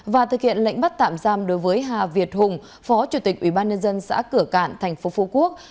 và thực hiện lệnh bắt tạm giam đối với hà việt hùng phó chủ tịch ủy ban nhân dân xã cửa cạn tp phú quốc